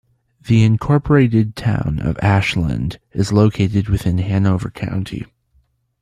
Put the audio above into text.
The incorporated town of Ashland is located within Hanover County.